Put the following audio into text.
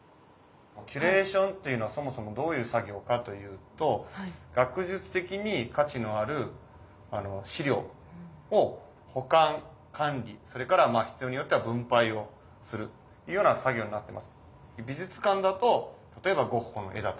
キュレーションというのはそもそもどういう作業かというと学術的に価値のある資料を保管管理それから必要によっては分配をするというような作業になってます。